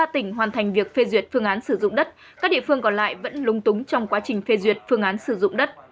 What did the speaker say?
ba tỉnh hoàn thành việc phê duyệt phương án sử dụng đất các địa phương còn lại vẫn lung túng trong quá trình phê duyệt phương án sử dụng đất